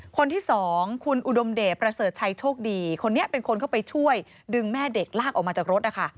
คนที่สองคุณอุดมเดชประเสริฐชัยโชคดีคนนี้เป็นคนเข้าไปช่วยดึงแม่เด็กลากออกมาจากรถนะคะ